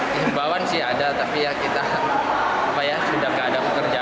himbawan sih ada tapi ya kita sudah tidak ada pekerjaan